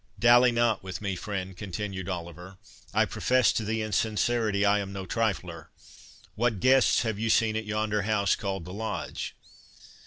"Dally not with me, friend," continued Oliver; "I profess to thee in sincerity I am no trifler. What guests have you seen at yonder house called the Lodge?"